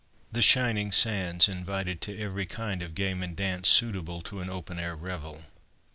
The shining sands invited to every kind of game and dance suitable to an open air revel.